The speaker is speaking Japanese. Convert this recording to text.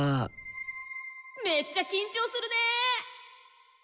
めっちゃ緊張するね。